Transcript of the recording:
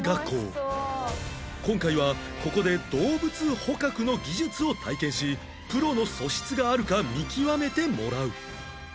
今回はここで動物捕獲の技術を体験しプロの素質があるか見極めてもらう